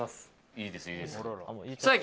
いいですよ。